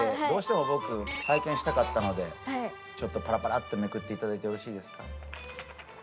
どうしても僕、拝見したかったのでパラパラとめくっていただいてよろしいですか？